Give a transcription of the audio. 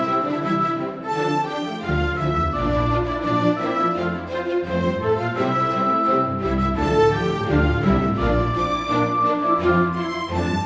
ayo kita duduk dulu